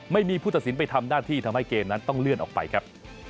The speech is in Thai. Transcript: ไม่มีผู้ตัดสินไปทำหน้าที่ทำให้เกมนั้นต้องเลื่อนออกไปครับ